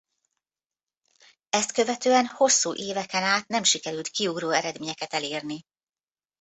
Ezt követően hosszú éveken át nem sikerült kiugró eredményeket elérni.